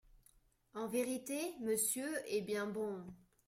En vérité, Monsieur est bien bon…